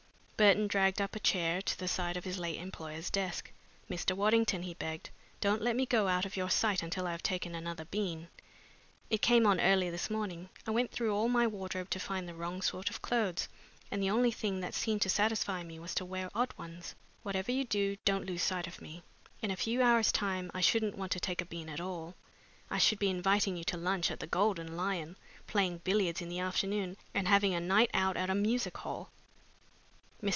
Burton dragged up a chair to the side of his late employer's desk. "Mr. Waddington," he begged, "don't let me go out of your sight until I have taken another bean. It came on early this morning. I went through all my wardrobe to find the wrong sort of clothes, and the only thing that seemed to satisfy me was to wear odd ones. Whatever you do, don't lose sight of me. In a few hours' time I shouldn't want to take a bean at all. I should be inviting you to lunch at the Golden Lion, playing billiards in the afternoon, and having a night out at a music hall." Mr.